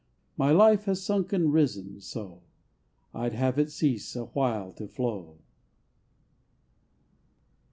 My life has sunk and risen so, I'd have it cease awhile to flow.